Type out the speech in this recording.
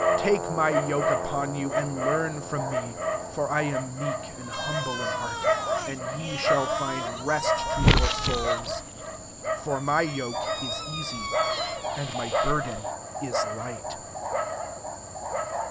29 Take my yoke upon you, and learn from me; for I am meek and humble in heart : and ye shall find rest Jtp your souls. 30 For my yoke is easy, and my burden is light."